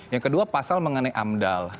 yang kedua pasal mengenai amdal